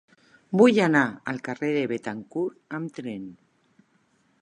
Vull anar al carrer de Béthencourt amb tren.